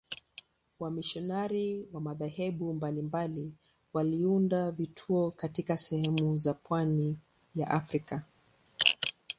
Wamisionari wa madhehebu mbalimbali waliunda vituo katika sehemu za pwani ya Afrika.